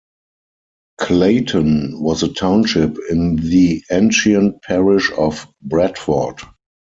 Clayton was a township in the ancient parish of Bradford.